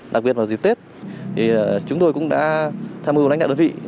đặc biệt vào dịp tết chúng tôi cũng đã tham mưu đánh đạo đơn vị